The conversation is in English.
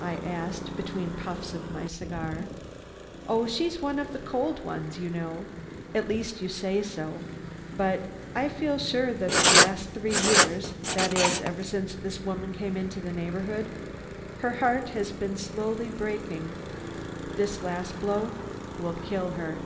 I asked between puffs of my cigar. "Oh, she's one of the cold ones, you know! At least you say so; but I feel sure that for the last three years that is, ever since this woman came into the neighborhood her heart has been slowly breaking. This last blow will kill her."